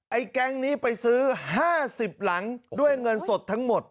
แก๊งนี้ไปซื้อ๕๐หลังด้วยเงินสดทั้งหมด